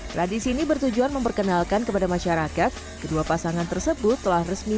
tradisi ini bertujuan memperkenalkan kepada masyarakat kedua pasangan tersebut telah resmi